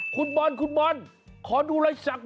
คุณบอลขอดูรายชักหน่อย